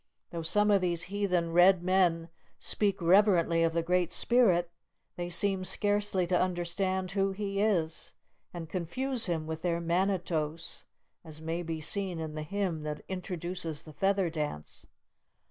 Though some of these heathen Red Men speak reverently of the Great Spirit, they seem scarcely to understand who He is, and confuse Him with their Manitos, as may be seen in the hymn that introduces the Feather Dance.